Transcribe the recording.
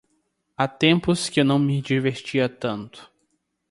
Há tempos que eu não me divertia tanto.